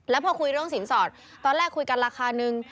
แล้วพอคุยเรื่องสินสอดตอนแรกคุยกันราคานึง